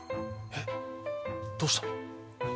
えっどうしたの？